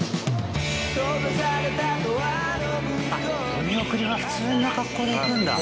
お見送りは普通の格好で行くんだ。